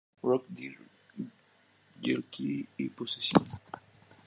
Rock, Dr. Jekyll y Posesión.